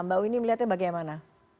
mbak winnie melihatnya bagaimana